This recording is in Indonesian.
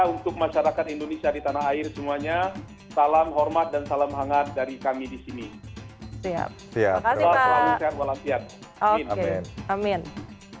untuk masyarakat indonesia di tanah air semuanya salam hormat dan salam hangat dari kami di sini